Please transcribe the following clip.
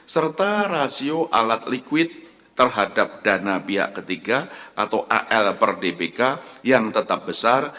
serta rasio alat liquid terhadap dana pihak ketiga atau al per dpk yang tetap besar